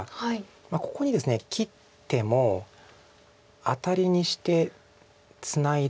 ここにですね切ってもアタリにしてツナいで。